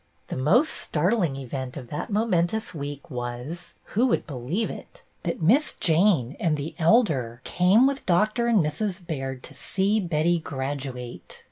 The most startling event of that moment ous week was — who would believe it — that Miss Jane and the Elder came with Doctor and Mrs. Baird to see Betty graduate